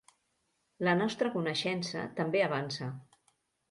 La nostra coneixença també avançava.